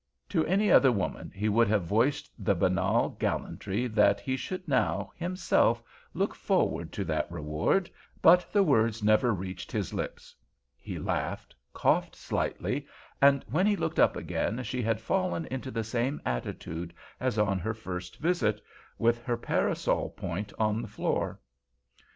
To any other woman he would have voiced the banal gallantry that he should now, himself, look forward to that reward, but the words never reached his lips. He laughed, coughed slightly, and when he looked up again she had fallen into the same attitude as on her first visit, with her parasol point on the floor.